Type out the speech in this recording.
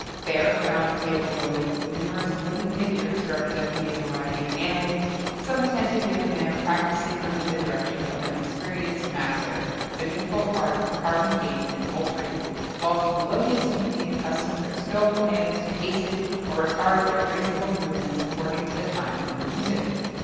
[XXII 46] There, around a table loaded with numerous wooden figures, representing a variety of animals, some attentive young men are practising, under the direction of an experienced master, the difficult art of carving game and poultry;[XXII 47] whilst a melodious symphony accustoms their skilful hands to hasten or retard their graceful movements according to the time of the music.